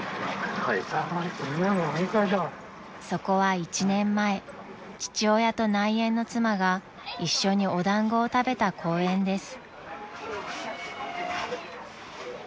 ［そこは１年前父親と内縁の妻が一緒にお団子を食べた公園です］